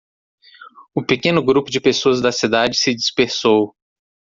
O pequeno grupo de pessoas da cidade se dispersou.